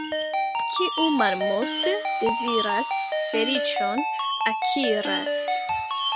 Kiu malmulte deziras, feliĉon akiras.